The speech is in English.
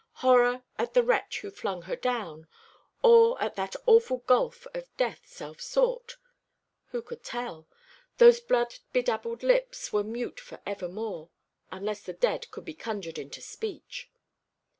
Horror at the wretch who flung her down, or at that awful gulf of death self sought? Who could tell? Those blood bedabbled lips were mute for evermore, unless the dead could be conjured into speech.